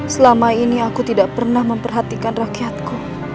selama ini aku tidak pernah memperhatikan rakyatku